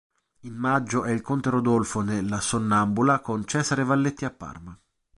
In maggio è il conte Rodolfo ne La sonnambula con Cesare Valletti a Parma.